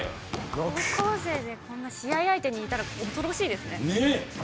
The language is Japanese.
高校生でこんなの試合相手にいたら恐ろしいですね。